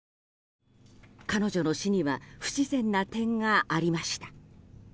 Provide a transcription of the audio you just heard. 彼女の死には不自然な点がありました。